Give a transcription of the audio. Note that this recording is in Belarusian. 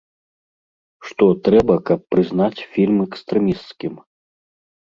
Што трэба, каб прызнаць фільм экстрэмісцкім?